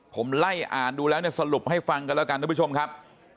ผมไล่อ่านดูแล้วเนี่ยสรุปให้ฟังกันแล้วกันทุกผู้ชมครับ